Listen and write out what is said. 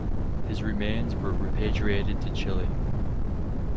His remains were repatriated to Chile.